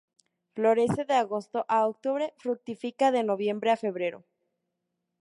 Florece de agosto a octubre; fructifica de noviembre a febrero.